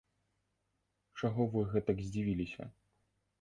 Чаго вы гэтак здзівіліся?